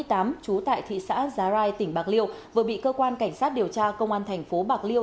trú tại thị xã giá rai tỉnh bạc liêu vừa bị cơ quan cảnh sát điều tra công an thành phố bạc liêu